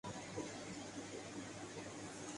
توپسندیدگی کا گراف گر جاتا ہے۔